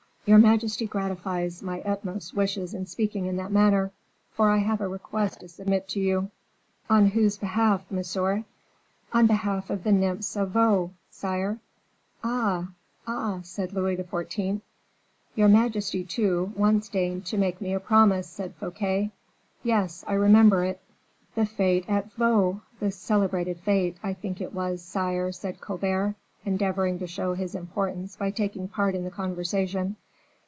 "Your majesty gratifies my utmost wishes in speaking in that manner, for I have a request to submit to you." "On whose behalf, monsieur?" "Oh behalf of the nymphs of Vaux, sire." "Ah! ah!" said Louis XIV. "Your majesty, too, once deigned to make me a promise," said Fouquet. "Yes, I remember it." "The fete at Vaux, the celebrated fete, I think, it was, sire," said Colbert, endeavoring to show his importance by taking part in the conversation.